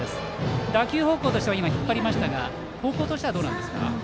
打球方向としては引っ張りましたが方向としてはどうなんですか。